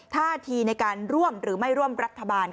ท่าทีในการร่วมหรือไม่ร่วมรัฐบาล